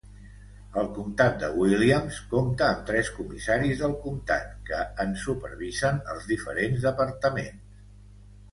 El comtat de Williams compta amb tres comissaris del comtat que en supervisen els diferents departaments.